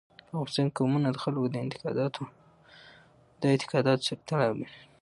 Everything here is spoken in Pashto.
په افغانستان کې قومونه د خلکو د اعتقاداتو سره تړاو لري.